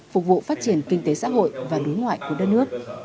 phục vụ phát triển kinh tế xã hội và đối ngoại của đất nước